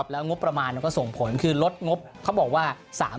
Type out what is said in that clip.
และงบประมาณก็ส่งผลคือลดงบบอกว่า๓๐๕๐